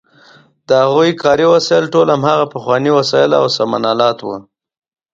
د هغوی کاري وسایل ټول هماغه پخواني وسایل او آلات وو.